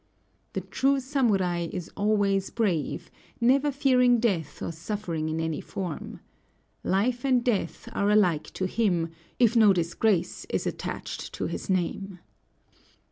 The true samurai is always brave, never fearing death or suffering in any form. Life and death are alike to him, if no disgrace is attached to his name.